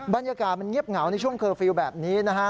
บรรยากาศมันเงียบเหงาในช่วงเคอร์ฟิลล์แบบนี้นะฮะ